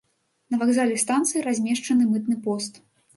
На вакзале станцыі размешчаны мытны пост.